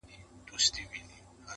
ژوند د انسان د ارتقا سفر دے